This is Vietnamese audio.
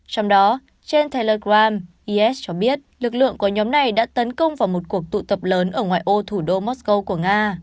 trong đó trên telegram is cho biết lực lượng của nhóm này đã tấn công vào một cuộc tụ tập lớn ở ngoài ô thủ đô mosco của nga